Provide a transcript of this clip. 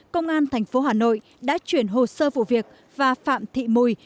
công an thành phố hà nội đã chuyển hồ sơ vụ việc và phạm thị mùi